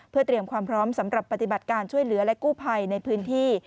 เพื่อเตรียมความพร้อมสำหรับปฏิบัติการช่วยเหลือและกู้ภัยในพื้นที่